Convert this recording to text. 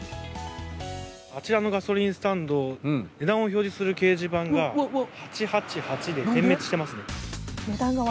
あちらのガソリンスタンド値段を表示する掲示板が８８８で点滅していますね。